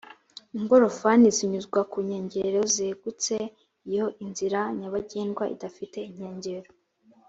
ingorofani zinyuzwa ku nkengero zegutse iyo inzira nyabagendwa idafite inkengero